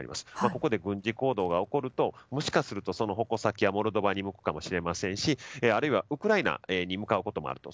ここで軍事行動が起こるともしかした矛先がモルドバに向くかもしれませんしあるいはウクライナに向かうこともあると。